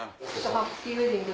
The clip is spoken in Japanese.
ハッピーウエディング？